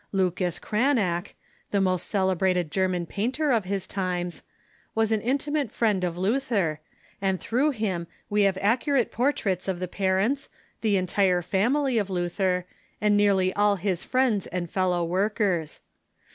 Lucas Cranach, the most celebrated German painter of his times, was an intimate friend of Lu ther, and through him we have accurate portraits of the par ents, the entire family of Luther, and nearly all his friends and fellow workers.